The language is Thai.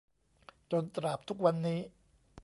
จนตราบทุกวันนี้